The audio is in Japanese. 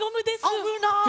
あぶない！